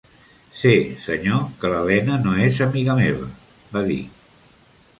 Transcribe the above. "Sé, senyor, que l'Helena no és amiga meva", va dir.